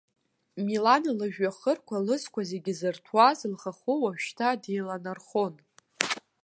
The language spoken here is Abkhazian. Милана лыжәҩахырқәа, лызқәа зегьы зырҭәуаз лхахәы уажәшьҭа деиланархон.